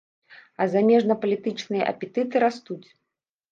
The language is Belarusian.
А замежнапалітычныя апетыты растуць.